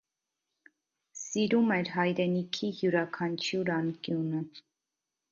Սիրում էր հայրենիքի յուրաքանչյուր անկյունը։